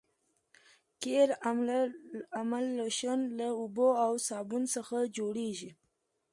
قیر املشن له اوبو او صابون څخه جوړیږي